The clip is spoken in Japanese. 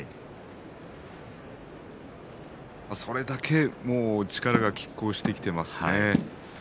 それだけ力がきっ抗してきています。